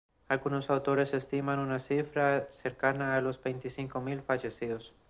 Algunos autores estiman una cifra cercana a los veinticinco mil fallecidos.